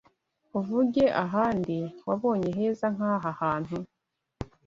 uvuge ahandi wabonye heza nk’aha hantu